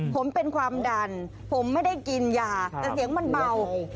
ผมเป็นความดันผมไม่ได้กินยาแต่เสียงมันเบา